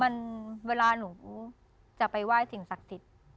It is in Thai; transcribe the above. มันเวลาหนูจะไปไหว้สิ่งศักดิ์สิทธิ์